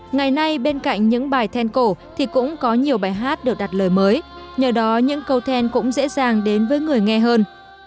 ngày nay bên cạnh những bài then cổ thì cũng có nhiều bài hát được đặt lời mới nhờ đó những câu then cũng dễ dàng đến với người nghe hơn